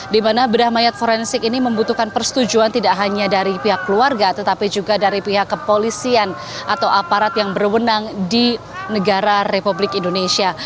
di mana bedah mayat forensik ini membutuhkan persetujuan tidak hanya dari pihak keluarga tetapi juga dari pihak kepolisian atau aparat yang berwenang di negara republik indonesia